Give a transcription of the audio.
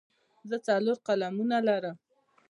زه څلور قلمونه لرم.